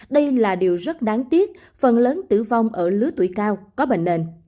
đây là điều rất đáng tiếc phần lớn tử vong ở lứa tuổi cao có bệnh nền